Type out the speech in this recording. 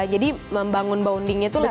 jadi membangun bondingnya itu lewat